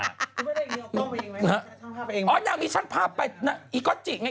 ก็ไม่ได้อย่างนี้เอาต้มไปเองไหมนางมีชั้นภาพไปเองไหมอ๋อนางมีชั้นภาพไป